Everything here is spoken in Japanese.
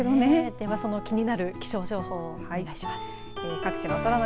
ではその気になる気象情報をお願いします。